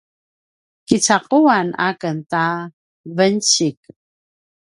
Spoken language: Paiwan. kicaquaquan aken ta vencik